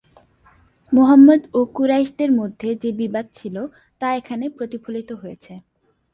মুহাম্মাদ ও কুরাইশদের মধ্যে যে বিবাদ ছিল তা এখানে প্রতিফলিত হয়েছে।